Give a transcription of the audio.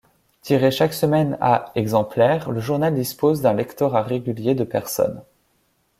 Tiré chaque semaine à exemplaires, le journal dispose d'un lectorat régulier de personnes.